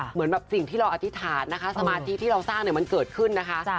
เหมือนแบบสิ่งที่เราอธิษฐานะคะ